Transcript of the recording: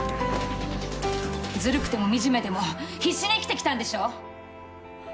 ずるくてもみじめでも必死に生きてきたんでしょ？